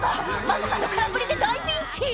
まさかの空振りで大ピンチ！